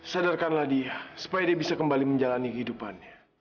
sadarkanlah dia supaya dia bisa kembali menjalani kehidupan